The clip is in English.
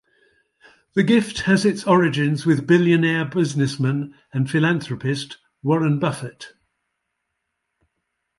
The gift has its origins with billionaire businessman and philanthropist, Warren Buffett.